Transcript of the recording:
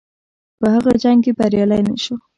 په هغه جنګ کې بریالی نه شو.